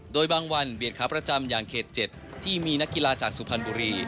โดยบางวันเบียดขาประจำอย่างเขต๗ที่มีนักกีฬาจากสุพรรณบุรี